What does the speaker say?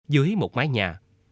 dưới một mái nhà